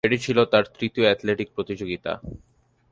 এটি ছিল তার তৃতীয় অ্যাথলেটিক প্রতিযোগিতা।